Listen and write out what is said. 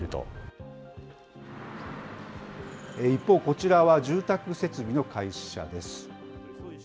一方、こちらは住宅設備の会社です。